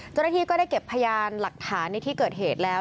เจ้าหน้าที่ก็ได้เก็บพยานหลักฐานในที่เกิดเหตุแล้ว